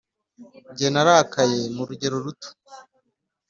Jye narakaye mu rugero ruto